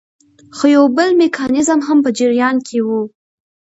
خو یو بل میکانیزم هم په جریان کې وو.